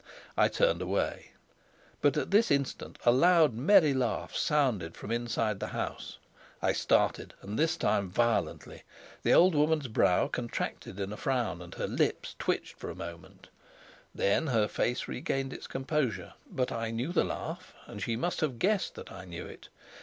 I turned away. But at this instant a loud, merry laugh sounded from inside the house. I started, and this time violently. The old woman's brow contracted in a frown, and her lips twitched for a moment; then her face regained its composure; but I knew the laugh, and she must have guessed that I knew it.